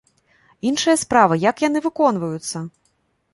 Іншая справа, як яны выконваюцца?